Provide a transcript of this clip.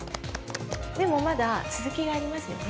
でもまだ続きがありますよね？